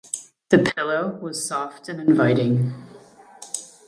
The pillow was soft and inviting.